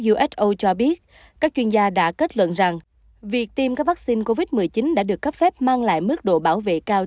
uso cho biết các chuyên gia đã kết luận rằng việc tiêm các vaccine covid một mươi chín đã được cấp phép mang lại mức độ bảo vệ cao